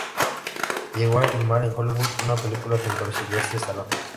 Llegó a filmar en Hollywood una película junto a Silvester Stallone.